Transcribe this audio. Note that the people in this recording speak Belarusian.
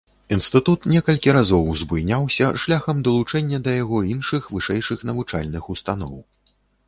Інстытут некалькі разоў узбуйняўся шляхам далучэння да яго іншых вышэйшых навучальных устаноў.